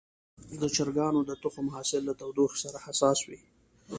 د چرګانو د تخم حاصل له تودوخې سره حساس وي.